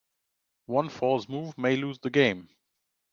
One false move may lose the game.